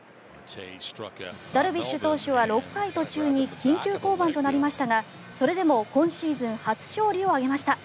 ダルビッシュ投手は６回途中に緊急降板となりましたがそれでも今シーズン初勝利を挙げました。